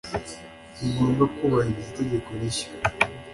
ningombwa kubahiriza itegeko rishya.